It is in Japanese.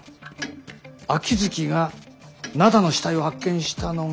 秋月が灘の死体を発見したのが。